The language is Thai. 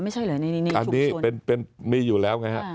ไม่ใช่เหรออันนี้สุดยอดเป็นเป็นมีอยู่แล้วไงฮะ